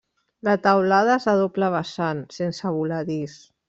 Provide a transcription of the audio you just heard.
La teulada és a doble vessant, sense voladís.